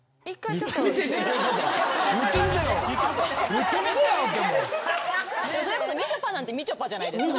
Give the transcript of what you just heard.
それこそみちょぱなんて「みちょぱ」じゃないですか。